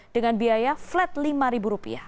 dengan biaya flat lima rupiah